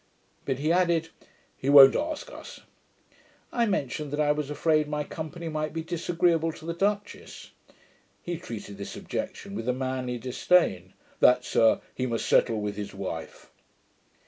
But, he added, 'He won't ask us!' I mentioned, that I was afraid my company might be disagreeable to the duchess. He treated this objection with a manly disdain: 'THAT, sir, he must settle with his wife.'